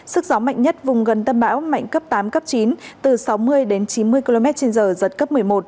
sức gió mạnh nhất vùng gần tâm bão mạnh cấp tám cấp chín từ sáu mươi đến chín mươi km trên giờ giật cấp một mươi một